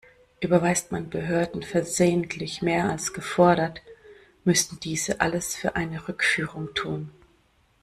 Überweist man Behörden versehentlich mehr als gefordert, müssen diese alles für eine Rückführung tun.